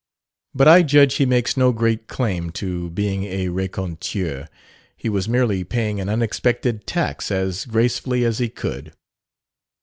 But I judge he makes no great claim to being a raconteur he was merely paying an unexpected tax as gracefully as he could.